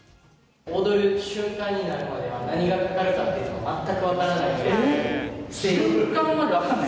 踊る瞬間になるまで何がかかるかっていうのは全く分からない瞬間まで分からない？